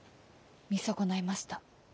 見損ないました。